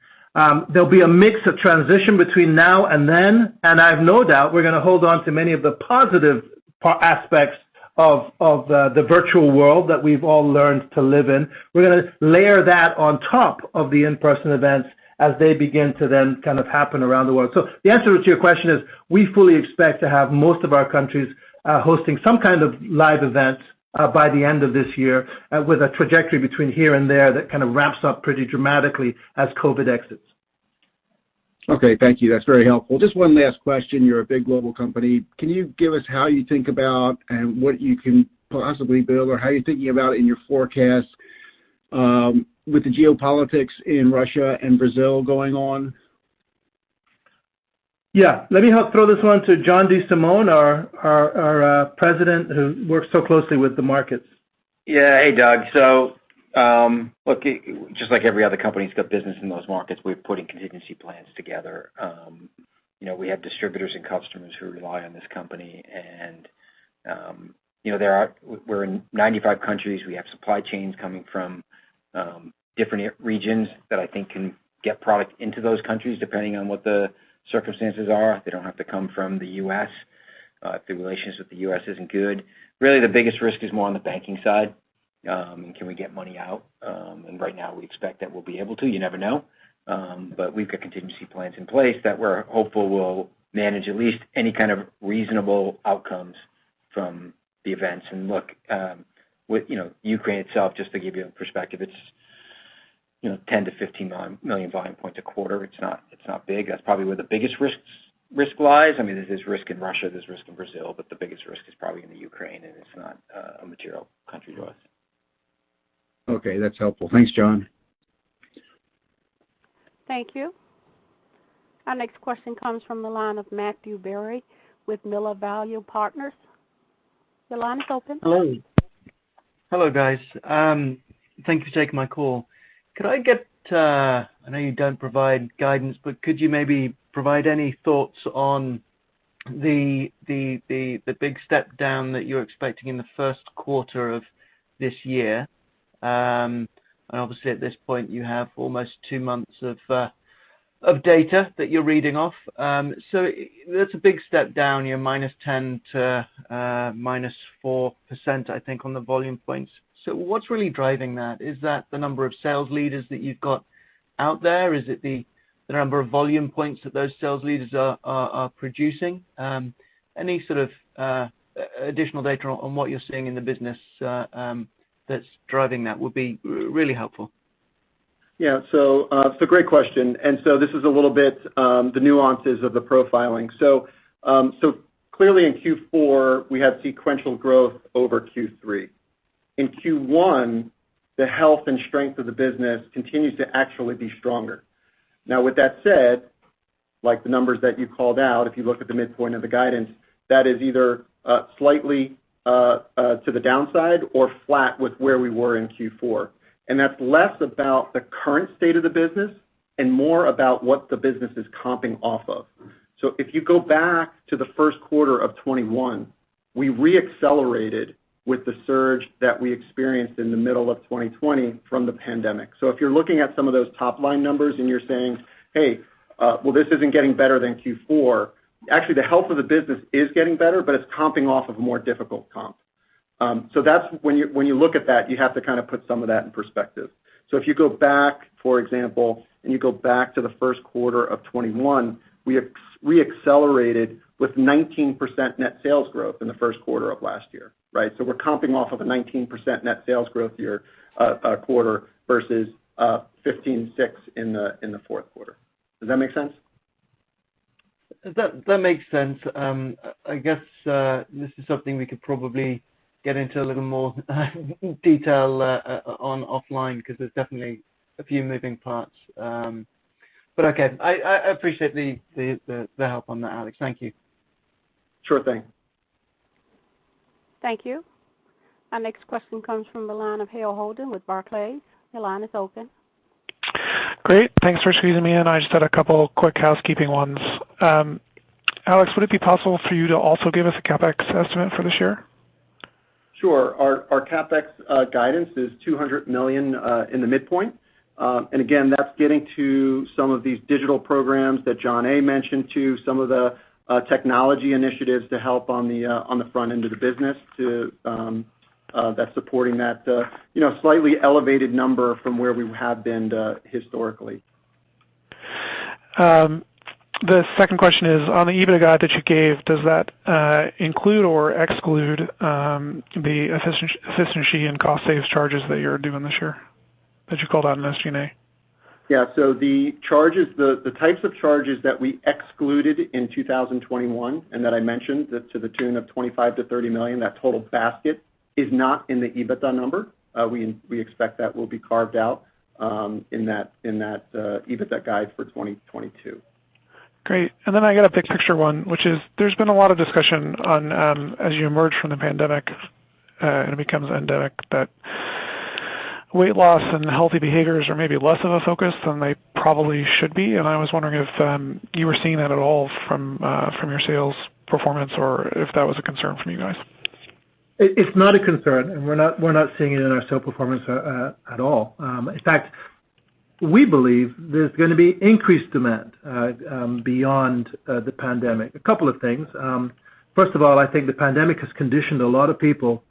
There'll be a mix of transition between now and then, and I've no doubt we're gonna hold on to many of the positive aspects of the virtual world that we've all learned to live in. We're gonna layer that on top of the in-person events as they begin to then kind of happen around the world. The answer to your question is we fully expect to have most of our countries hosting some kind of live event by the end of this year with a trajectory between here and there that kind of ramps up pretty dramatically as COVID exits. Okay. Thank you. That's very helpful. Just one last question. You're a big global company. Can you give us how you think about and what you can possibly build or how you're thinking about in your forecast, with the geopolitics in Russia and Brazil going on? Yeah. Let me throw this one to John DeSimone, our President who works so closely with the markets. Yeah. Hey, Doug. Look, just like every other company that's got business in those markets, we're putting contingency plans together. You know, we have distributors and customers who rely on this company and, you know, we're in 95 countries. We have supply chains coming from different regions that I think can get product into those countries depending on what the circumstances are. They don't have to come from the U.S., if the relations with the U.S. isn't good. Really, the biggest risk is more on the banking side. Can we get money out? Right now we expect that we'll be able to. You never know. We've got contingency plans in place that we're hopeful will manage at least any kind of reasonable outcomes from the events. Look, with you know, Ukraine itself, just to give you a perspective, it's you know, 10-15 million volume points a quarter. It's not big. That's probably where the biggest risk lies. I mean, there's risk in Russia, there's risk in Brazil, but the biggest risk is probably in Ukraine, and it's not a material country to us. Okay, that's helpful. Thanks, John. Thank you. Our next question comes from the line of Matthew Berry with Miller Value Partners. Your line is open. Hello. Hello, guys. Thank you for taking my call. Could I get—I know you don't provide guidance, but could you maybe provide any thoughts on the big step down that you're expecting in the first quarter of this year? And obviously at this point you have almost two months of data that you're reading off. So that's a big step down, your -10% to -4%, I think, on the volume points. So what's really driving that? Is that the number of sales leaders that you've got out there? Is it the number of volume points that those sales leaders are producing? Any sort of additional data on what you're seeing in the business that's driving that would be really helpful. Yeah. It's a great question. This is a little bit the nuances of the profiling. Clearly in Q4 we had sequential growth over Q3. In Q1, the health and strength of the business continues to actually be stronger. Now with that said, like the numbers that you called out, if you look at the midpoint of the guidance, that is either slightly to the downside or flat with where we were in Q4. That's less about the current state of the business and more about what the business is comping off of. If you go back to the first quarter of 2021, we re-accelerated with the surge that we experienced in the middle of 2020 from the pandemic. If you're looking at some of those top-line numbers and you're saying, "Hey, well, this isn't getting better than Q4," actually the health of the business is getting better, but it's comping off of a more difficult comp. That's when you look at that, you have to kind of put some of that in perspective. If you go back, for example, to the first quarter of 2021, we re-accelerated with 19% net sales growth in the first quarter of last year, right? We're comping off of a 19% net sales growth year-over-year quarter versus 15.6 in the fourth quarter. Does that make sense? That makes sense. I guess this is something we could probably get into a little more detail on offline because there's definitely a few moving parts. Okay. I appreciate the help on that, Alex. Thank you. Sure thing. Thank you. Our next question comes from the line of Hale Holden with Barclays. Your line is open. Great. Thanks for squeezing me in. I just had a couple quick housekeeping ones. Alex, would it be possible for you to also give us a CapEx estimate for this year? Sure. Our CapEx guidance is $200 million in the midpoint. Again, that's getting to some of these digital programs that John A. mentioned to some of the technology initiatives to help on the front end of the business to, that's supporting that, you know, slightly elevated number from where we have been historically. The second question is on the EBITDA guide that you gave, does that include or exclude the efficiency and cost savings charges that you're doing this year, that you called out in SG&A? Yeah. The charges, the types of charges that we excluded in 2021 and that I mentioned that to the tune of $25 million-$30 million, that total basket is not in the EBITDA number. We expect that will be carved out in that EBITDA guide for 2022. Great. Then I got a big picture one, which is there's been a lot of discussion on, as you emerge from the pandemic, and it becomes endemic, that weight loss and healthy behaviors are maybe less of a focus than they probably should be. I was wondering if you were seeing that at all from your sales performance or if that was a concern for you guys. It's not a concern, and we're not seeing it in our sales performance at all. In fact, we believe there's gonna be increased demand beyond the pandemic. A couple of things. First of all, I think the pandemic has conditioned a lot of people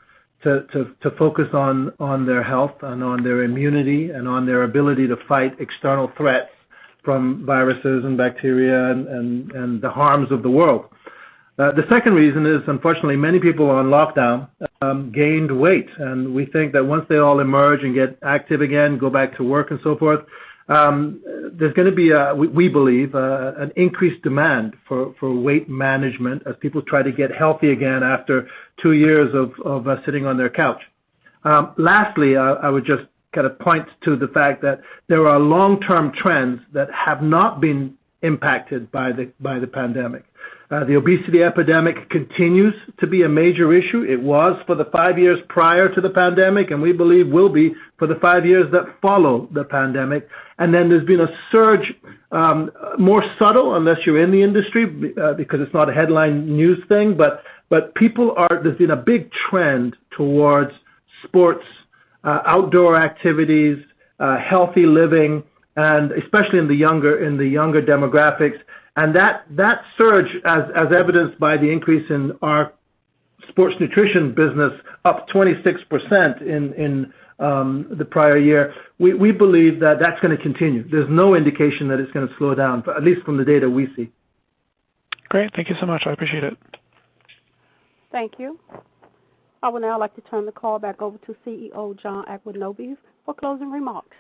to focus on their health and on their immunity and on their ability to fight external threats from viruses and bacteria and the harms of the world. The second reason is, unfortunately, many people on lockdown gained weight, and we think that once they all emerge and get active again, go back to work and so forth, there's gonna be a, we believe, an increased demand for weight management as people try to get healthy again after two years of sitting on their couch. Lastly, I would just kind of point to the fact that there are long-term trends that have not been impacted by the pandemic. The obesity epidemic continues to be a major issue. It was for the five years prior to the pandemic, and we believe will be for the five years that follow the pandemic. Then there's been a surge, more subtle unless you're in the industry, because it's not a headline news thing, but there's been a big trend towards sports, outdoor activities, healthy living, and especially in the younger demographics. That surge, as evidenced by the increase in our sports nutrition business up 26% in the prior year, we believe that's gonna continue. There's no indication that it's gonna slow down, but at least from the data we see. Great. Thank you so much. I appreciate it. Thank you. I would now like to turn the call back over to CEO John Agwunobi for closing remarks.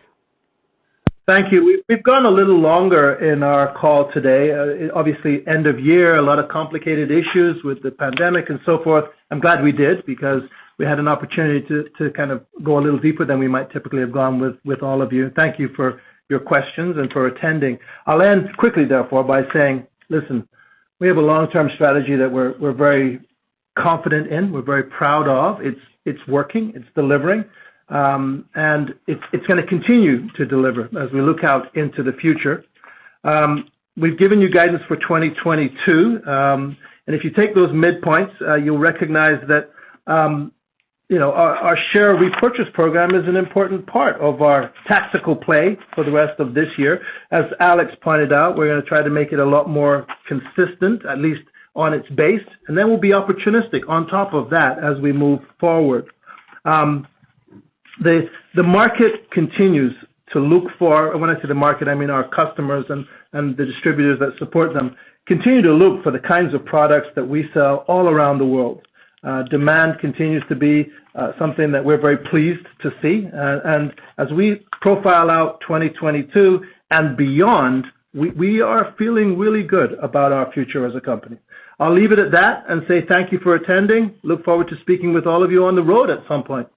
Thank you. We've gone a little longer in our call today. Obviously end of year, a lot of complicated issues with the pandemic and so forth. I'm glad we did because we had an opportunity to kind of go a little deeper than we might typically have gone with all of you. Thank you for your questions and for attending. I'll end quickly, therefore, by saying, listen, we have a long-term strategy that we're very confident in, we're very proud of. It's working, it's delivering, and it's gonna continue to deliver as we look out into the future. We've given you guidance for 2022, and if you take those midpoints, you'll recognize that, you know, our share repurchase program is an important part of our tactical play for the rest of this year. As Alex pointed out, we're gonna try to make it a lot more consistent, at least on its base, and then we'll be opportunistic on top of that as we move forward. The market continues to look for. When I say the market, I mean our customers and the distributors that support them, continue to look for the kinds of products that we sell all around the world. Demand continues to be something that we're very pleased to see. As we profile out 2022 and beyond, we are feeling really good about our future as a company. I'll leave it at that and say thank you for attending. I look forward to speaking with all of you on the road at some point.